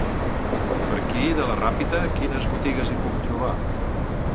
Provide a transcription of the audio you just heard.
Per aquí, de la Ràpita, quines botigues hi puc trobar?